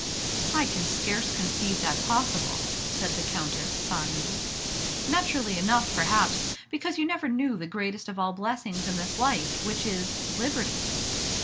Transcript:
"I can scarce conceive that possible," said the Countess, sighing. "Naturally enough, perhaps, because you never knew the greatest of all blessings in this life, which is liberty.